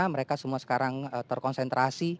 mereka semua sekarang terkonsentrasi